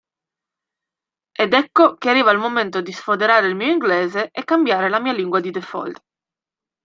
Ed ecco che arriva il momento di sfoderare il mio inglese e cambiare la mia lingua di default.